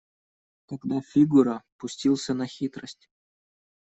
Тогда Фигура пустился на хитрость.